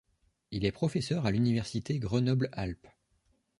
Il est Professeur à l'Université Grenoble-Alpes.